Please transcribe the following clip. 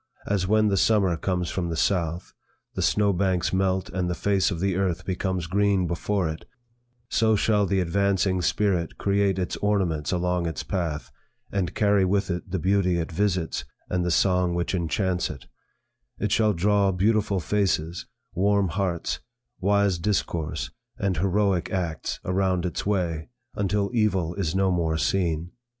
As when the summer comes from the south; the snow banks melt, and the face of the earth becomes green before it, so shall the advancing spirit create its ornaments along its path, and carry with it the beauty it visits, and the song which enchants it; it shall draw beautiful faces, warm hearts, wise discourse, and heroic acts, around its way, until evil is no more seen.